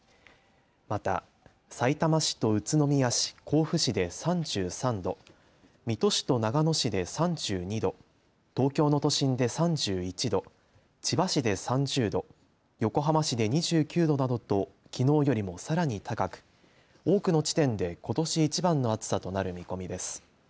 また、さいたま市と宇都宮市甲府市で３３度水戸市と長野市で３２度東京の都心で３１度千葉市で３０度横浜市で２９度などときのうよりも、さらに高く多くの地点でことし一番の暑さとなる見込みです。